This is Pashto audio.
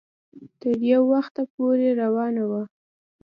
تر يو وخته پورې روانه وه